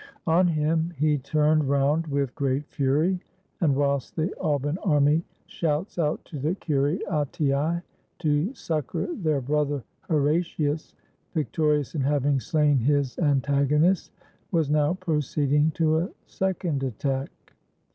On him he turned round with great fury. And whilst the Alban army shouts out to the Curiatii to succor their brother, Horatius, victorious in having slain his antago nist, was now proceeding to a second attack.